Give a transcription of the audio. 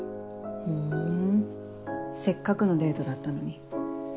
ふんせっかくのデートだったのに。